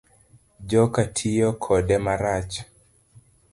Joka tiyo kode marach